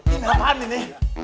kenalan apaan ini